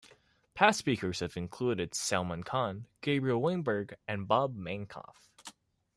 Past speakers have included Salman Khan, Gabriel Weinberg, and Bob Mankoff.